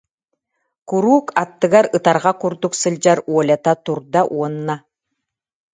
Куруук аттыгар ытарҕа курдук сылдьар Олята турда уонна: